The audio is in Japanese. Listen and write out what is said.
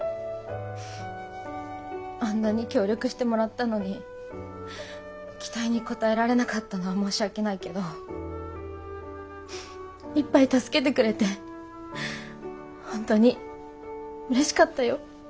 あんなに協力してもらったのに期待に応えられなかったのは申し訳ないけどいっぱい助けてくれて本当にうれしかったよ。